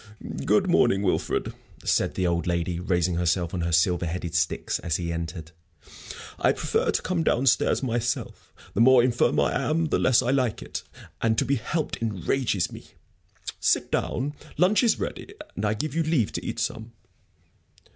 "Good morning, Wilfrid," said the old lady, raising herself on her silver headed sticks as he entered. "I prefer to come down stairs by myself. The more infirm I am, the less I like it and to be helped enrages me. Sit down. Lunch is ready, and I give you leave to eat some."